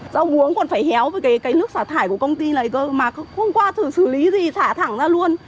rau uống còn phải héo với cái nước xả thải của công ty này mà không qua thử xử lý thì xả thẳng ra luôn